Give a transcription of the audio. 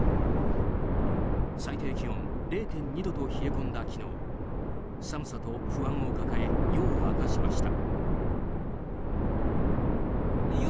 最低気温０．２度と冷え込んだ昨日寒さと不安を抱え夜を明かしました。